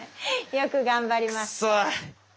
よく頑張りました。